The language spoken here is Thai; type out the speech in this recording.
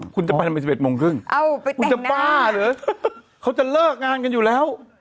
คุณจะไปทำไม๑๑โมงครึ่งคุณจะบ้าเหรอเขาจะเลิกงานกันอยู่แล้ว